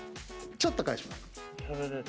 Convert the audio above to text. ちょっと返します。